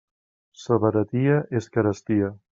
Sa baratia és carestia.